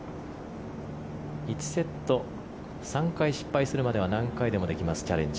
１セット、３回失敗するまでは何回でもできます、チャレンジ。